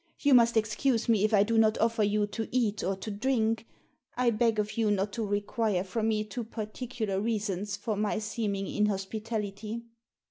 You must excuse me if I do not offer you to eat or to drink. I beg of you not to require from me too particular reasons for my seeming inhospitality."